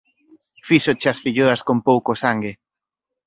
Fíxoche as filloas con pouco sangue.